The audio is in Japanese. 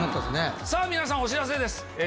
さぁ皆さんお知らせです。